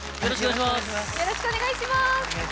よろしくお願いします。